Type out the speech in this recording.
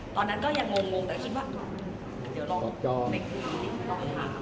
ตอนนั้นก็ยังงงแต่คิดว่า